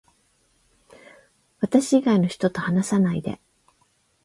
私以外の人と話さないで